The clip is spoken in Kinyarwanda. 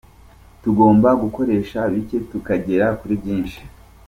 Tugomba gukoresha bike tukagera kuri byinshi.